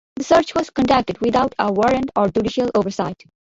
The search was conducted without a warrant or judicial oversight.